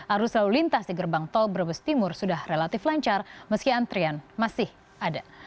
arus lalu lintas di gerbang tol brebes timur sudah relatif lancar meski antrian masih ada